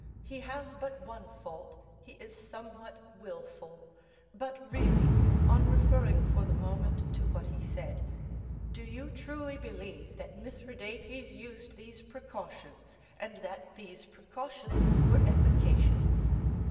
He has but one fault, he is somewhat wilful; but really, on referring for the moment to what he said, do you truly believe that Mithridates used these precautions, and that these precautions were efficacious?"